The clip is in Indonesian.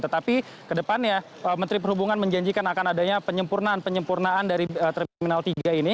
tetapi ke depannya menteri perhubungan menjanjikan akan adanya penyempurnaan dari terminal tiga ini